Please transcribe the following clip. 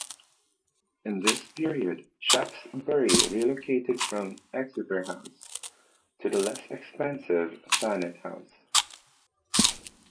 In this period, Shaftesbury relocated from Exeter House to the less expensive Thanet House.